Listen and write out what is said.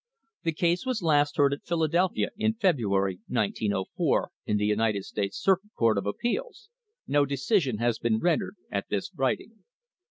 The case was last heard at Philadelphia in February, 1904, in the United States Circuit Court of Appeals. No decision had been rendered at this writing.